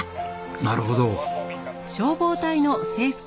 なるほど。